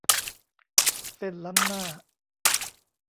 เส้นล้ำหน้า